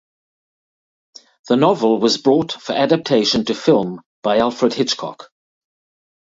The novel was bought for adaptation to film by Alfred Hitchcock.